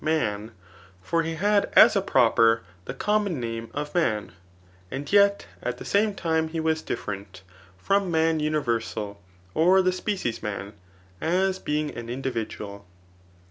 man ; for he had as a proper the common name of man, and yet at the same time he was different [from man universal, or the species man, as being an individual.